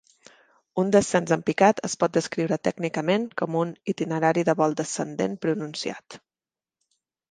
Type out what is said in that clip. Un descens en picat es pot descriure tècnicament com un "itinerari de vol descendent pronunciat".